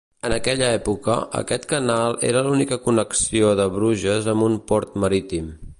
En aquella època, aquest canal era l'única connexió de Bruges amb un port marítim.